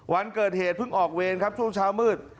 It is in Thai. วันเกิดเหตุเพิ่งออกเวรครับช่วงเช้ามืด